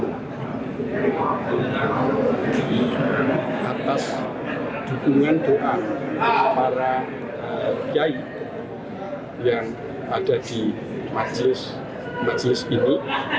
di atas dukungan doa para pihak yang ada di majelis majelis ini